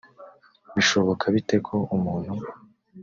bishoboka bite ko umuntu